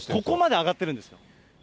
ここまで上がってるんです。